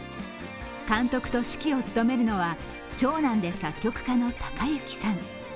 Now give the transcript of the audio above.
監督と指揮を務めるのは長男で作曲家の隆之さん。